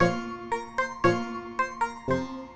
gak kecanduan hp